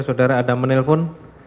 saudara ada menelpon